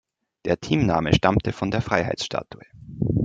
Der Teamname stammt von der Freiheitsstatue.